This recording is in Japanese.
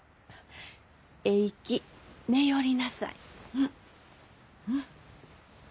えいき寝よりなさい。